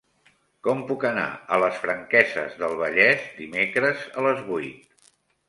Com puc anar a les Franqueses del Vallès dimecres a les vuit?